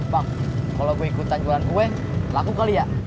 bang kalau gue ikutan jualan kue laku kali ya